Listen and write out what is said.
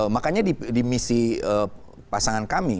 makanya di misi pasangan kami